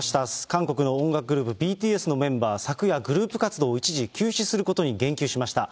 韓国の音楽グループ、ＢＴＳのメンバー、昨夜、グループ活動を一時休止することに言及しました。